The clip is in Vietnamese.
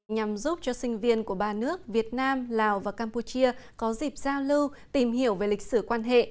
nhằm giúp cho sinh viên của ba nước việt nam lào và campuchia có dịp giao lưu tìm hiểu về lịch sử quan hệ